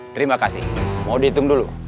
terima kasih mau dihitung dulu